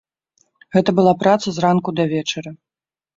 Гэта была праца з ранку да вечара.